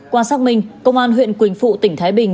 quan sát mình công an huyện quỳnh phụ tỉnh thái bình